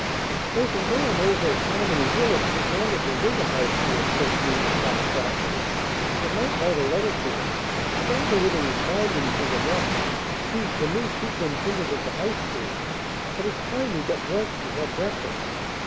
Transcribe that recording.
"There's a man over at Harmony Village that wanted to rent a house here," said Julia Cloud thoughtfully. "I might write a letter to him. I don't know whether he's found anything or not. He's the new superintendent of the high school. But it's time we got dressed and had breakfast."